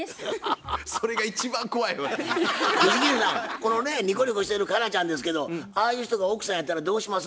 このねにこにこしてる佳奈ちゃんですけどああいう人が奥さんやったらどうします？